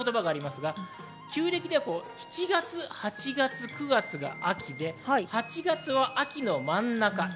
旧暦では７月、８月、９月が秋で、８月は秋の真ん中です。